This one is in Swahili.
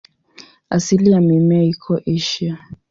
Asili ya mimea iko Asia.